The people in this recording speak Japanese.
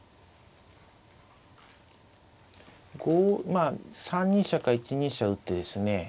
まあ３二飛車か１二飛車打ってですね